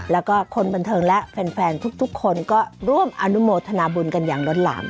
แล้วก็คนบันเทิงและแฟนทุกคนก็ร่วมอนุโมทนาบุญกันอย่างล้นหลาม